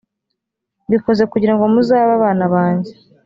mbikoze kugira ngo muzabe abana banjye